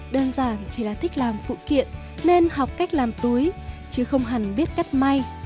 đơn giản chỉ là thích làm phụ kiện nên học cách làm túi chứ không hẳn biết cắt may